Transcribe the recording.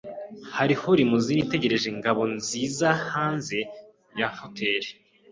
Hariho limousine itegereje Ngabonzizahanze ya hoteri.